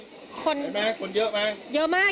เห็นไหมคนเยอะมาก